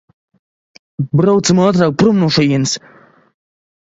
Braucam ātrāk prom no šejienes!